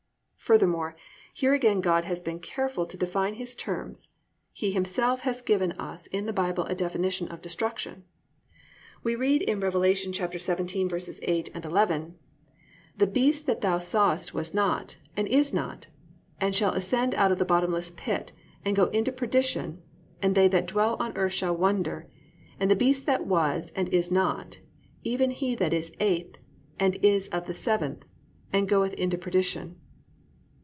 Furthermore, here again God has been careful to define His terms. He Himself has given us in the Bible a definition of "destruction." We read in Rev. 17:8, 11: +"The beast that thou sawest was, and is not; and shall ascend out of the bottomless pit, and go into perdition; and they that dwell on the earth shall wonder ... and the beast that was, and is not, even he is the eighth, and is of the seven, and goeth into perdition."